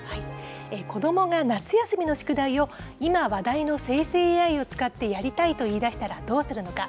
子どもが夏休みの宿題を、今話題の生成ＡＩを使ってやりたいと言い出したらどうするのか。